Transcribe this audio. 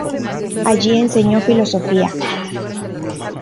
Allí enseñó filosofía.